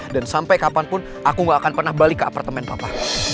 dan sampai kapanpun aku gak akan pernah balik ke apartemen papa